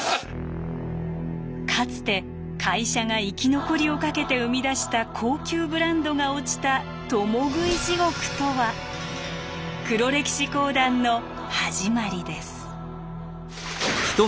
かつて会社が生き残りをかけて生み出した高級ブランドが落ちた黒歴史講談の始まりです。